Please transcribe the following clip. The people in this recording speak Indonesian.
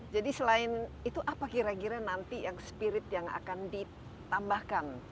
jadi selain itu apa kira kira nanti yang spirit yang akan ditambahkan